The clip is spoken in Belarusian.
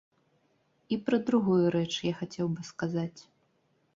І пра другую рэч я хацеў бы сказаць.